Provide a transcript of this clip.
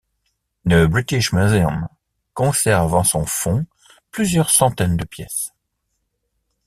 Le British Museum conserve en son fonds plusieurs centaines de pièces.